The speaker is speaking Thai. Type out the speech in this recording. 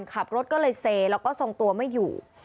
ขับรถก็เลยเซแล้วก็ทรงตัวไม่อยู่